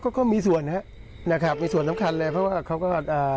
ก็ก็มีส่วนฮะนะครับมีส่วนสำคัญเลยเพราะว่าเขาก็อ่า